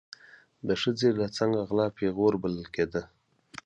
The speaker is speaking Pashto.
د ښځې له څنګه غلا پیغور بلل کېده.